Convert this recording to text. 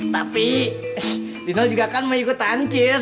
tapi lino juga kan mau ikutan cis